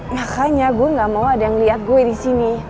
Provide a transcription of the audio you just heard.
makanya gue gak mau ada yang lihat gue di sini